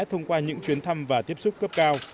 thông qua những chuyến thăm và tiếp xúc cấp cao